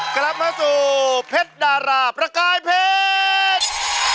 กลับมาสู่เพชรดาราประกายเพชร